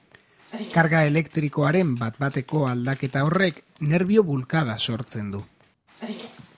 Karga elektrikoaren bat-bateko aldaketa horrek nerbio-bulkada sortzen du.